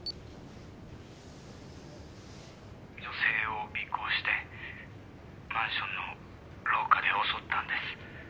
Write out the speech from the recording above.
「女性を尾行してマンションの廊下で襲ったんです」